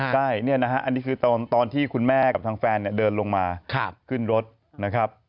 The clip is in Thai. ใช่เนี่ยนะฮะอันนี้คือตอนที่คุณแม่กับทางแฟนเดินลงมาขึ้นรถนะครับ